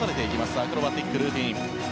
アクロバティックルーティン。